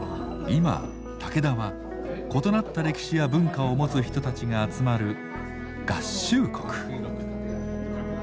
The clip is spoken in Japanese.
今嵩田は異なった歴史や文化を持つ人たちが集まる「合衆国」。